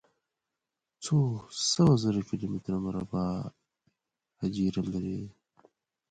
څو سوه زره کلومتره مربع اېجره لري.